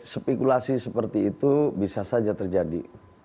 spekulasi seperti itu bisa saja terjadi